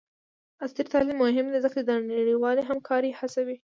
عصري تعلیم مهم دی ځکه چې د نړیوالې همکارۍ هڅوي.